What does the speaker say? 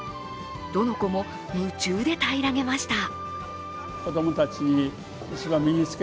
どの子も夢中でたいらげました。